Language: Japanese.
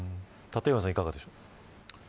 立岩さん、いかがでしょう。